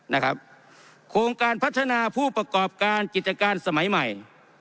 นะครับโครงการพัฒนาผู้ประกอบการกิจการสมัยใหม่